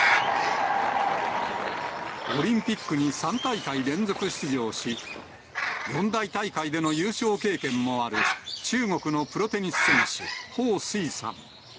オリンピックに３大会連続出場し、四大大会での優勝経験もある、中国のプロテニス選手、彭帥さん。